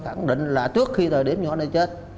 khẳng định là trước khi thời điểm nhỏ này chết